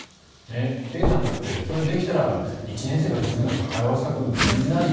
Ａさんだってできたら１年生から塾に通わせたくないよ